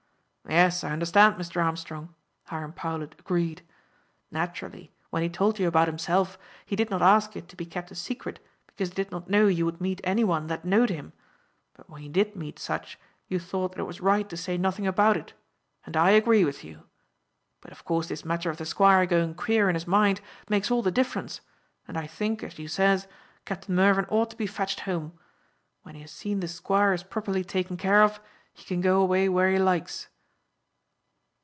"Yes, I understand, Mr. Armstrong," Hiram Powlett agreed. "Naturally, when he told you about himself, he did not ask it to be kept a secret, because he did not know you would meet any one that knowed him. But when you did meet such, you thought that it was right to say nothing about it, and I agree with you; but of course this matter of the Squire going queer in his mind makes all the difference, and I think, as you says, Captain Mervyn ought to be fetched home. When he has seen the Squire is properly taken care of, he can go away where he likes."